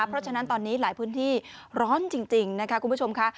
เพราะฉะนั้นตอนนี้หลายพื้นที่ร้อนจริงนะคะคุณผู้ชมค่ะ